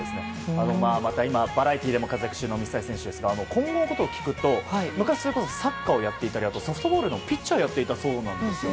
今、バラエティーでも活躍中の水谷選手ですが今後のことを聞くと昔、それこそサッカーをやっていたりソフトボールのピッチャーをやっていたそうなんですよ。